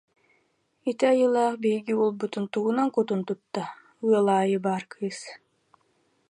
Ити айылаах биһиги уолбутун тугунан кутун тутта, ыал аайы баар кыыс